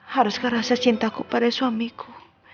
harus ke rasa cintaku pada suamiku